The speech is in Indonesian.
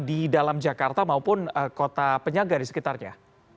di dalam jakarta maupun kota penyaga di sekitarnya